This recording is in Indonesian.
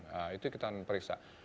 nah itu kita periksa